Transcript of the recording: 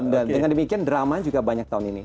dengan demikian drama juga banyak tahun ini